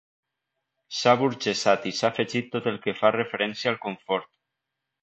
S'ha aburgesat i s'ha afegit tot el que fa referència al confort.